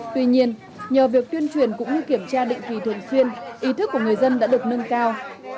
tuy nhiên nhờ việc tuyên truyền cũng như kiểm tra định kỳ thường xuyên ý thức của người dân đã được nâng cao